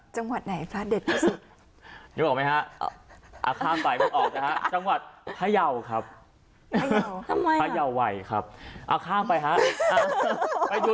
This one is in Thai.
จังหวัดไหนพละเด็ดที่สุด